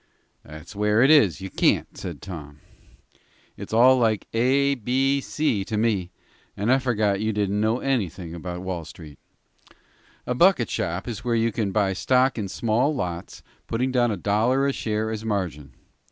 "That's where it is you can't," said Tom. "It's all like A, B, C to me, and I forgot that you didn't know anything about Wall Street. A bucket shop is where you can buy stock in small lots, putting down a dollar a share as margin.